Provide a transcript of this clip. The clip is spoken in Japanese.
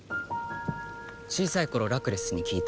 小さい頃ラクレスに聞いた。